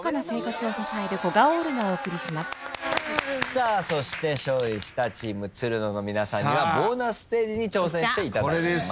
さあそして勝利したチームつるのの皆さんにはボーナスステージに挑戦していただきます。